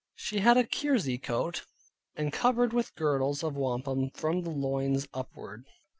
She had a kersey coat, and covered with girdles of wampum from the loins upward.